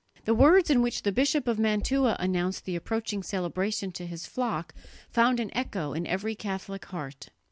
The words in which the Bishop of Mantua announced the approaching celebration to his flock found an echo in every Catholic heart.